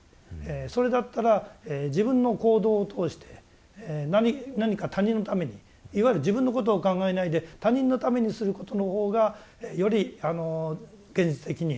それだったら自分の行動を通して何か他人のためにいわゆる自分のことを考えないで他人のためにすることのほうがより現実的に自分のことを考えない。